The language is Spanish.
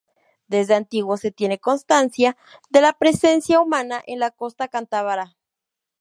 Desde antiguo se tiene constancia de la presencia humana en la costa cántabra.